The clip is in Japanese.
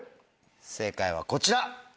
正解はこちら。